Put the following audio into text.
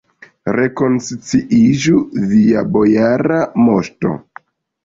Rekonsciiĝu, via bojara moŝto!